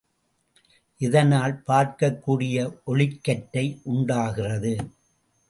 இதனால் பார்க்கக் கூடிய ஒளிக்கற்றை உண்டாகிறது.